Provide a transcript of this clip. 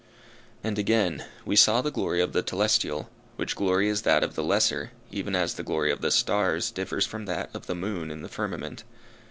"And again, we saw the glory of the telestial, which glory is that of the lesser, even as the glory of the stars differs from that of the moon in the firmament.